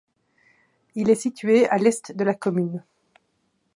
Il est situé à l'est de la commune.